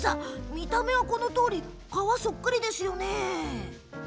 見た目は、このとおり革そっくりですよね。